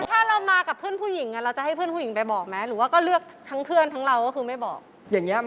ถ้าเรามากับเพื่อนผู้หญิงเราจะให้เพื่อนผู้หญิงไปบอกไหม